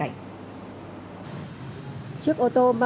rồi anh cứ ký vào đi đã